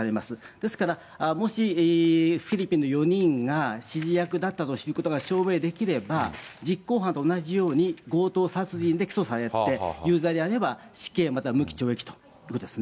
ですから、もしフィリピンの４人が、指示役だったということが証明できれば、実行犯と同じように、強盗殺人で起訴されて、有罪であれば、死刑または無期懲役ということですね。